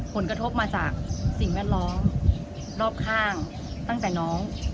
ผลกระทบมาจากสิ่งแวดล้อมรอบข้างตั้งแต่น้อง